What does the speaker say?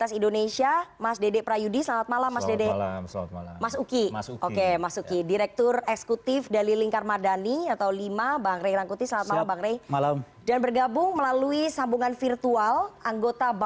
selamat malam mbak ribana assalamualaikum